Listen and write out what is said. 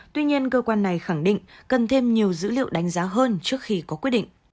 tuy nhiên cơ quan này khẳng định cần thêm nhiều dữ liệu đánh giá hơn trước khi có quyết định